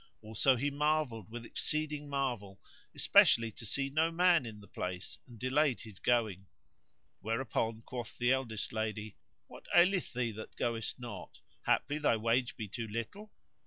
Also he marvelled with exceeding marvel, especially to see no man in the place and delayed his going; whereupon quoth the eldest lady, "What aileth thee that goest not; haply thy wage be too little?"